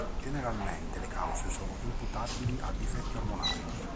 Generalmente le cause sono imputabili a difetti ormonali.